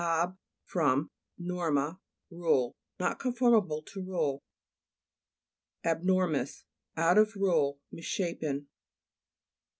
ab, .from, nor ma, rule, Not conformable to rule. ABXO'HMOUS Out of rule; missha pen.